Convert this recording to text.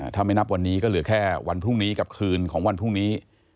ถ้าไม่นับวันนี้ก็เหลือแค่วันพรุ่งนี้กับคืนของวันพรุ่งนี้